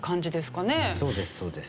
そうですそうです。